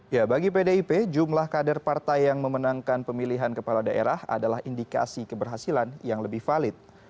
ya bagi pdip jumlah kader partai yang memenangkan pemilihan kepala daerah adalah indikasi keberhasilan yang lebih valid